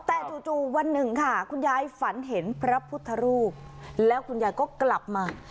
แต่จู่วันหนึ่งค่ะคุณยายฝันเห็นพระพุทธรูปแล้วคุณยายก็กลับมา